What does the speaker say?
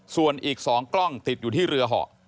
ส่วนอีก๒กล้องติดอยู่ที่เรือเหาะ